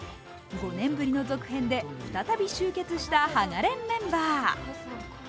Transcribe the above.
５年ぶりの続編で再び集結した「ハガレン」メンバー。